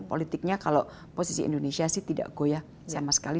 politiknya kalau posisi indonesia sih tidak goyah sama sekali